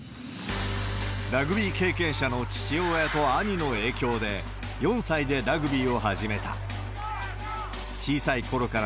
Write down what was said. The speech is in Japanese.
ラグビー経験者の父親と兄の影響で、４歳でラグビーを始めた。